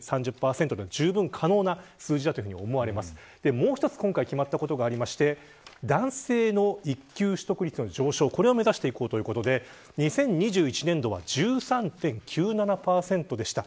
もう一つ今回決まったことがありまして男性の育休取得率の上昇を目指していこうということで２０２１年度は１３．９７％でした。